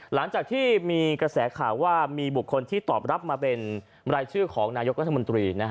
หลังจากที่มีกระแสข่าวว่ามีบุคคลที่ตอบรับมาเป็นรายชื่อของนายกรัฐมนตรี